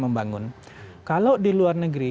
membangun kalau di luar negeri